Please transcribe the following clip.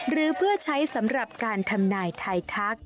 หรือเพื่อใช้สำหรับการทำนายไทยทัก